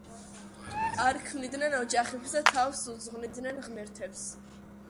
არ ქმნიდნენ ოჯახებს და თავს უძღვნიდნენ ღმერთებს.